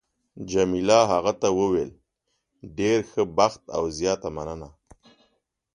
جميله هغه ته وویل: ډېر ښه بخت او زیاته مننه.